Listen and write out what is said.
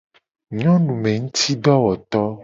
Nyonumengutidowoto.